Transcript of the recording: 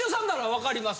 わかります。